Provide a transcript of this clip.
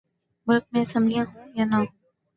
ملک میں اسمبلیاں ہوں یا نہ ہوں۔